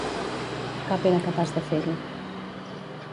Cap era capaç de fer-ho.